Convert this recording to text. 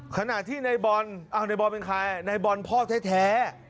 ขณะที่ในบอลในบอลเป็นใครในบอลพ่อแท้